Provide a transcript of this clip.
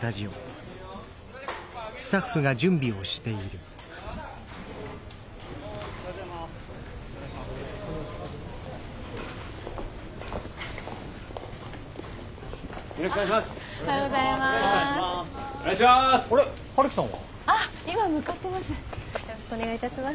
よろしくお願いします！